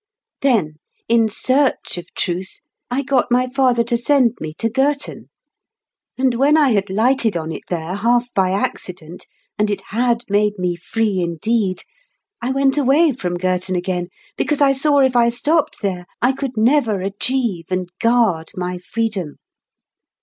Then, in search of Truth, I got my father to send me to Girton; and when I had lighted on it there half by accident, and it had made me Free indeed, I went away from Girton again, because I saw if I stopped there I could never achieve and guard my freedom.